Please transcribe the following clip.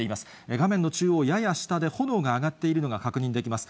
画面の中央やや下で炎が上がっているのが確認できます。